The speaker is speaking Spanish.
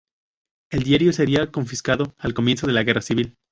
El diario sería confiscado al comienzo de la Guerra civil.